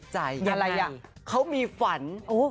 ไหน